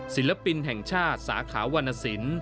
ศิลปินแห่งชาติสาขาวรรณสิน